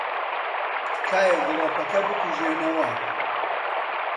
تکایە گڵۆپەکە بکوژێنەوە.